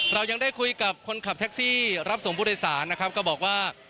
เรายังได้คุยกับคนขับแท็กซี่รับส่งผู้โดยสารนะครับก็บอกว่า